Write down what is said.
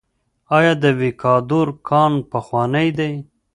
آیا د ویکادور کان پخوانی دی؟